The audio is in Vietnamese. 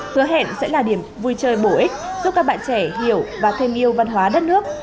hứa hẹn sẽ là điểm vui chơi bổ ích giúp các bạn trẻ hiểu và thêm yêu văn hóa đất nước